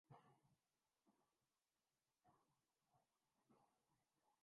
عوام کے حقوق اور مفادات کا تحفظ نہیں کر سکتا